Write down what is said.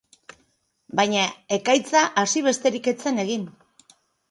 Baina ekaitza hasi besterik ez zen egin.